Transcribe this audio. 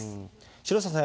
城下さん